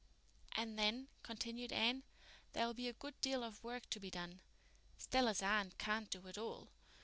"And then," continued Anne, "there will be a good deal of work to be done. Stella's aunt can't do it all.